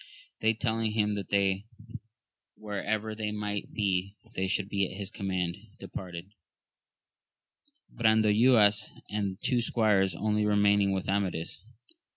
They telling him that wherever they might be they should be at his command, departed ; Brandoynas and two squires only remaining with Amadis.